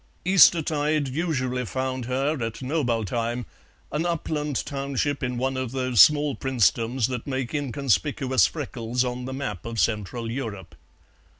Eastertide usually found her at Knobaltheim, an upland township in one of those small princedoms that make inconspicuous freckles on the map of Central Europe.